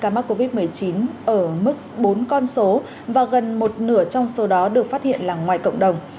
ca mắc covid một mươi chín ở mức bốn con số và gần một nửa trong số đó được phát hiện là ngoài cộng đồng